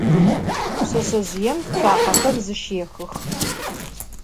Pşseşsezjıêm tsuakhexer zışêxıx.